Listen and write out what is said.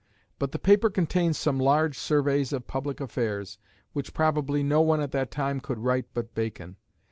But the paper contains some large surveys of public affairs, which probably no one at that time could write but Bacon.